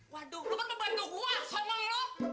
waduh lo kan membantu gua sama lo